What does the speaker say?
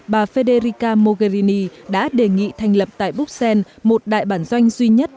bà federica mogherini đã đề nghị thành lập tại bruxelles một đại bản doanh duy nhất